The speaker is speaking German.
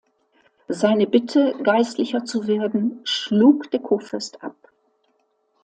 Seine Bitte, Geistlicher zu werden, schlug der Kurfürst ab.